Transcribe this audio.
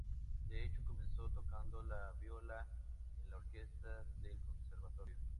De hecho comenzó tocando la viola en la orquesta del Conservatorio.